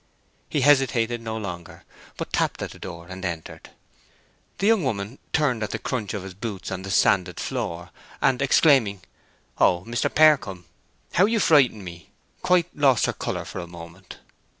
He hesitated no longer, but tapped at the door and entered. The young woman turned at the crunch of his boots on the sanded floor, and exclaiming, "Oh, Mr. Percombe, how you frightened me!" quite lost her color for a moment.